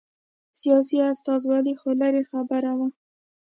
سیاسي استازولي خو لرې خبره وه